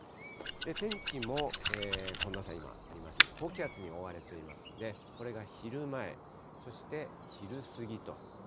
天気も近藤さん、今ありましたように、高気圧に覆われていますので、これが昼前、そして昼過ぎと。